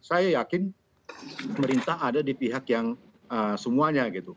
saya yakin pemerintah ada di pihak yang semuanya gitu